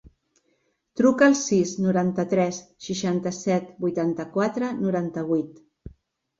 Truca al sis, noranta-tres, seixanta-set, vuitanta-quatre, noranta-vuit.